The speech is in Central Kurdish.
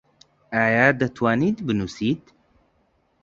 ئایا دەتوانیت بنووسیت؟